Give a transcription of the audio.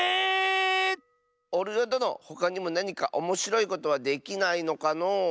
おるよどのほかにもなにかおもしろいことはできないのかのう？